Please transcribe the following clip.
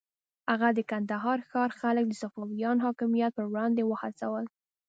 هغه د کندهار ښار خلک د صفویانو حاکمیت پر وړاندې وهڅول.